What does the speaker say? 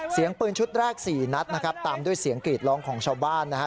เสียงปืนชุดแรกสี่นัดนะครับตามด้วยเสียงกรีดร้องของชาวบ้านนะฮะ